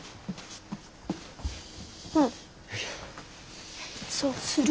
うんそうする。